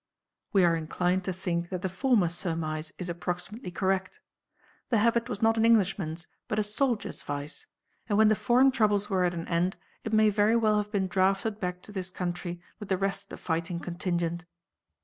We are inclined to think that the former surmise is approximately correct. The habit was not an Englishman's but a soldier's vice, and when the foreign troubles were at an end it may very well have been drafted back to this country with the rest of the fighting contingent.